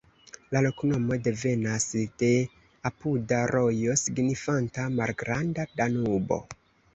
La loknomo devenas de apuda rojo signifanta "Malgranda Danubo".